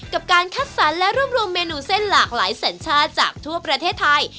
กับการคัดสรรและรวบรวมเมนูเส้นหลากหลายสัญชาติจากทั่วประเทศไทย